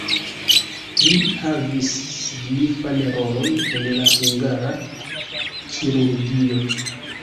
Li havis signifan rolon en la hungara kirurgio.